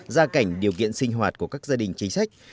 gia cảnh điều kiện sinh hoạt của các gia đình chính sách